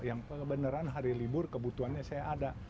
yang kebenaran hari libur kebutuhannya saya ada